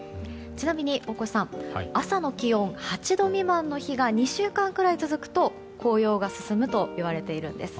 ちなみに大越さん朝の気温８度未満の日が２週間くらい続くと紅葉が進むといわれているんです。